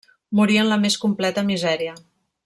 Morí en la més completa misèria.